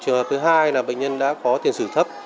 trường hợp thứ hai là bệnh nhân đã có tiền sử thấp